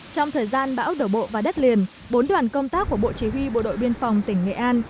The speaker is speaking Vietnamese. trong thời gian bão đổ bộ vào đất liền bốn đoàn công tác của bộ chỉ huy bộ đội biên phòng tỉnh nghệ an